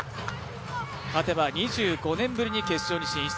勝てば２５年ぶりに決勝に進出。